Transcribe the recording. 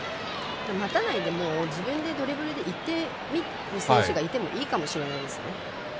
待たないで自分でドリブルでいっていい選手がいてもいいかもしれないですね。